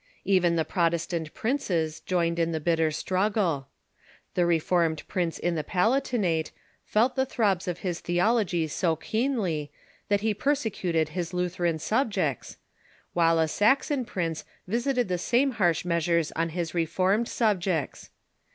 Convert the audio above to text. Even the Protestant princes joined in the bitter struggle. The Reformed prince in the Palatinate felt the throbs of his theology so keenly that he persecuted his Lutheran subjects, while a Saxon prince visited the same harsh measures on his Reformed subjects.